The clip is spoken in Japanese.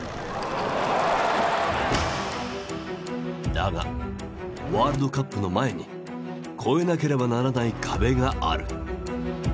だがワールドカップの前に越えなければならない壁がある。